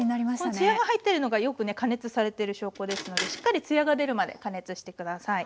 つやが入ってるのがよくね加熱されてる証拠ですのでしっかりつやが出るまで加熱して下さい。